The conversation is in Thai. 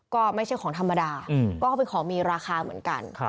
ก็ไม่ใช่ของธรรมดาก็เขาเป็นของมีราคาเหมือนกัน